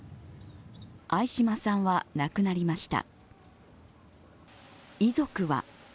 相嶋さんは亡くなりました。